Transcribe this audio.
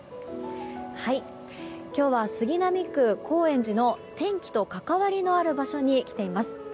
今日は、杉並区高円寺の天気と関わりのある場所に来ています。